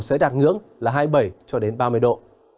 sẽ đạt ngưỡng là hai mươi bảy cho đến ba mươi độ